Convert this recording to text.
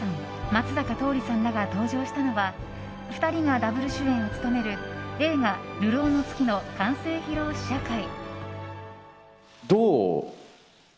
松坂桃李さんらが登場したのは２人がダブル主演を務める映画「流浪の月」の完成披露試写会。